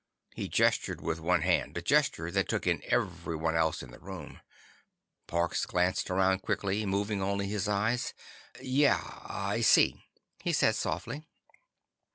He gestured with one hand—a gesture that took in everyone else in the room. Parks glanced around quickly, moving only his eyes. "Yeah. I see," he said softly.